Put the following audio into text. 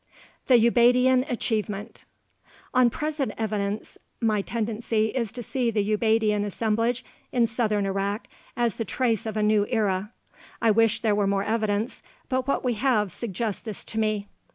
THE UBAIDIAN ACHIEVEMENT On present evidence, my tendency is to see the Ubaidian assemblage in southern Iraq as the trace of a new era. I wish there were more evidence, but what we have suggests this to me.